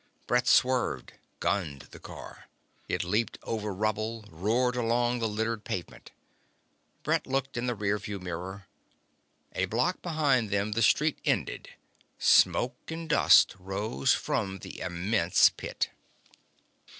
Brett swerved, gunned the car. It leaped over rubble, roared along the littered pavement. Brett looked in the rear view mirror. A block behind them the street ended. Smoke and dust rose from the immense pit.